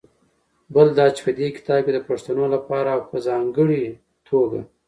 بل دا چې په دې کتاب کې د پښتنو لپاره او په ځانګړې توګه